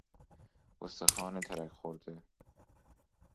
استخوان ترک خورده